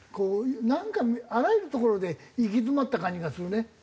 なんかあらゆるところで行き詰まった感じがするね。